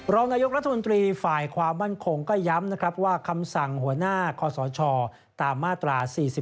รองนายกรัฐมนตรีฝ่ายความมั่นคงก็ย้ำนะครับว่าคำสั่งหัวหน้าคอสชตามมาตรา๔๔